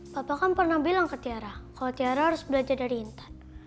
bapak kan pernah bilang ke tiara kalau tiara harus belajar dari intan